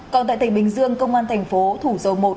còn tại tỉnh bình dương công an thành phố thủ dầu một